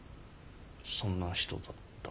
そんな人だった。